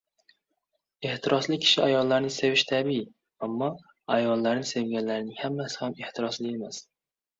• Ehtirosli kishi ayollarni sevishi tabiiy, ammo ayollarni sevganlarning hammasi ham ehtirosli emas.